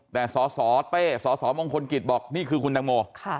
แต่สสเต้สสมงคลกิจบอกนี่คือคุณตังโม